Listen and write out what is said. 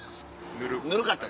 ぬるかった。